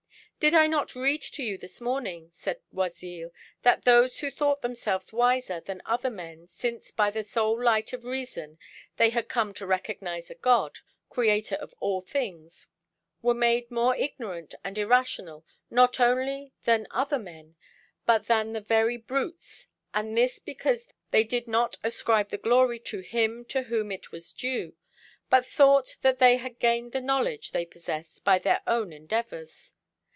"Did I not read to you this morning," said Oisille, "that those who thought themselves wiser than other men, since by the sole light of reason they had come to recognise a God, creator of all things, were made more ignorant and irrational not only than other men, but than the very brutes, and this because they did not ascribe the glory to Him to whom it was due, but thought that they had gained the knowledge they possessed by their own endeavours?